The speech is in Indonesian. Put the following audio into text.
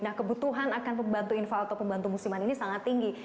nah kebutuhan akan pembantu infal atau pembantu musiman ini sangat tinggi